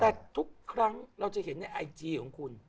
แต่ทุกครั้งเราจะเห็นในไอจีของคุณ